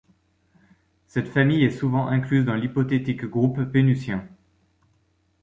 Cette famille est souvent incluse dans l'hypothétique groupe pénutien.